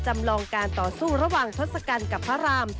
จำลองการต่อสู้ระหว่างทศกัณฐ์กับพระราม